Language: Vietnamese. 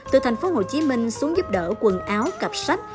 từ thành phố hồ chí minh xuống giúp đỡ quần áo cặp sách